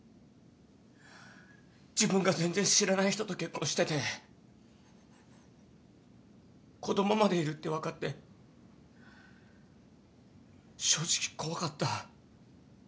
自分が全然知らない人と結婚してて子供までいるって分かって正直怖かった。